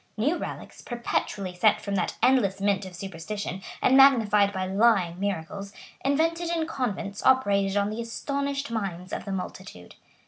New relics, perpetually sent from that endless mint of superstition, and magnified by lying miracles, invented in convents, operated on the astonished minds of the multitude.